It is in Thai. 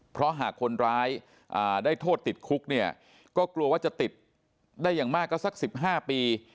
เพราะหากคนร้ายได้โทษติดคุกเนี่ยก็กลัวว่าจะติดได้อย่างมากก็สัก๑๕ปี